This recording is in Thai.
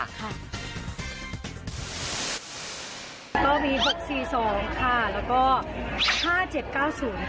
ก็มี๑๔๒ค่ะแล้วก็๕๗๙๐ค่ะ